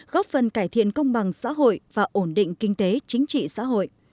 góp phần cải thiện công bằng xã hội và ổn định kinh tế chính trị xã hội